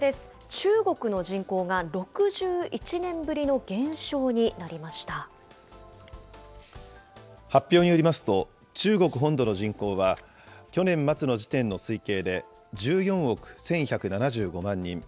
中国の人口が６１年ぶりの減少に発表によりますと、中国本土の人口は、去年末の時点の推計で１４億１１７５万人。